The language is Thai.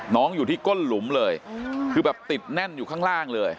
อยู่ที่ก้นหลุมเลยคือแบบติดแน่นอยู่ข้างล่างเลย